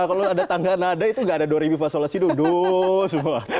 kalau ada tangga nada itu nggak ada doripi fasolasi do semua